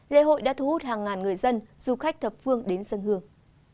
lễ hội đã thu hút hàng ngàn người dân du khách thập phương đến sân hương